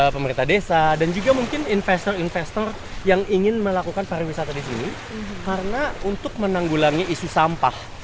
pemerintah desa dan juga mungkin investor investor yang ingin melakukan pariwisata di sini karena untuk menanggulangi isi sampah